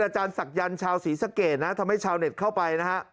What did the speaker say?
จารศักยันต์ชาวศรีสะเกดนะทำให้ชาวเน็ตเข้าไปนะฮะ